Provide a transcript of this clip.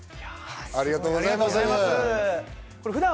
ありがとうございます。